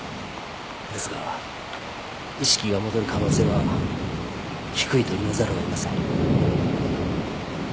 ですが意識が戻る可能性は低いと言わざるを得ません。